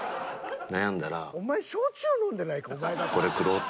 お前焼酎飲んでないかお前だけ。